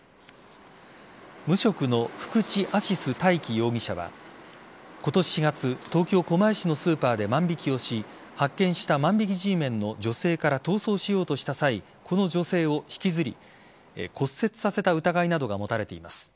無職の福地アシィス大樹容疑者は今年４月東京・狛江市のスーパーで万引きをし発見した万引きＧメンの女性から逃走しようとした際この女性を引きずり骨折させた疑いなどが持たれています。